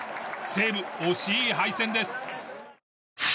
西武、惜しい敗戦です。